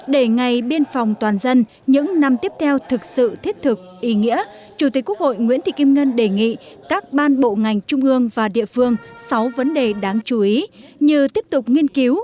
để ngày biên phòng toàn dân những năm tiếp theo thực sự thiết thực ý nghĩa chủ tịch quốc hội nguyễn thị kim ngân đề nghị các ban bộ ngành trung ương và địa phương sáu vấn đề đáng chú ý như tiếp tục nghiên cứu